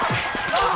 あっ！